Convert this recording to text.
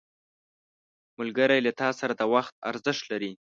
ملګری له تا سره د وخت ارزښت لري